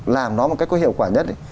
làm nó một cách có hiệu quả nhất